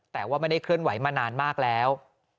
แต่ว่าไม่ได้เคลื่อนไหวมานานมากแล้ว